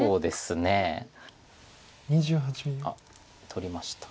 取りました。